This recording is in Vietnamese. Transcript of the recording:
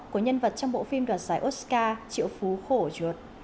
của nhân vật trong bộ phim đoạt giải oska triệu phú khổ chuột